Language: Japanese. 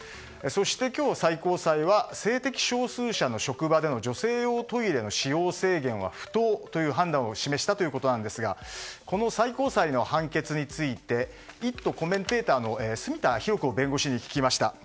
そして今日、最高裁は性的少数者の職場での女性用トイレの使用制限は不当という判断を示したということですがこの最高裁の判決について「イット！」コメンテーターの住田裕子弁護士に聞きました。